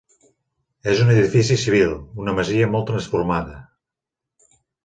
És un edifici civil, una masia molt transformada.